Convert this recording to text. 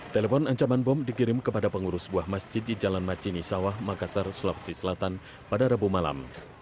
telepon ancaman bom dikirim kepada pengurus sebuah masjid di jalan macini sawah makassar sulawesi selatan pada rabu malam